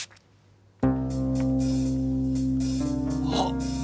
あっ！？